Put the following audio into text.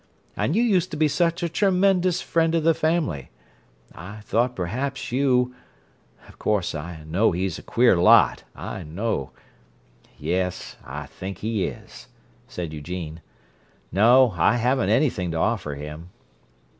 And you used to be such a tremendous friend of the family—I thought perhaps you—of course I know he's a queer lot—I know—" "Yes, I think he is," said Eugene. "No. I haven't anything to offer him."